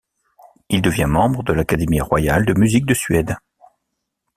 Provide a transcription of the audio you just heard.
Il devient membre de l'académie royale de musique de Suède.